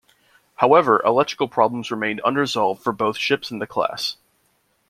However, electrical problems remained unresolved for both ships in the class.